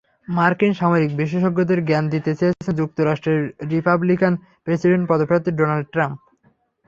মার্কিন সামরিক বিশেষজ্ঞদের জ্ঞান দিতে চেয়েছেন যুক্তরাষ্ট্রের রিপাবলিকান প্রেসিডেন্ট পদপ্রার্থী ডোনাল্ড ট্রাম্প।